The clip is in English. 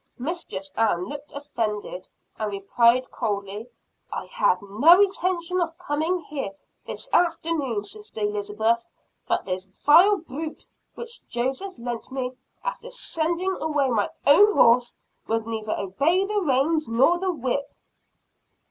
Mistress Ann looked offended, and replied coldly, "I had no intention of coming here this afternoon, Sister Elizabeth; but this vile brute, which Joseph lent me, after sending away my own horse, would neither obey the reins nor the whip."